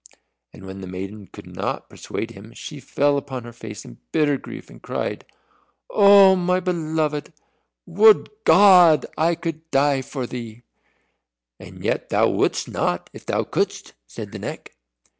And when the maiden could not persuade him, she fell upon her face in bitter grief, and cried, "Oh, my Beloved! Would GOD I could die for thee!" "And yet thou wouldst not if thou couldst," said the Neck.